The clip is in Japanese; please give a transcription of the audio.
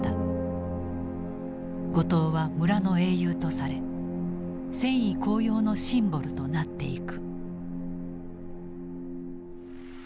後藤は村の英雄とされ戦意高揚のシンボルとなっていく。